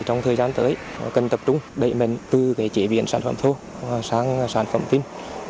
trong thời gian tới cần tập trung đẩy mình từ chế biến sản phẩm thô sang sản phẩm tinh